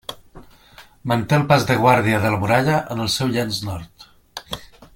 Manté el pas de guàrdia de la muralla en el seu llenç nord.